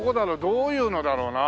どういうのだろうな？